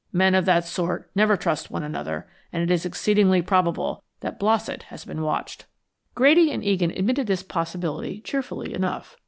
Men of that sort never trust one another, and it is exceedingly probable that Blossett has been watched." Grady and Egan admitted this possibility cheerfully enough.